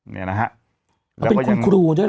เป็นคุณครูด้วยนะครับ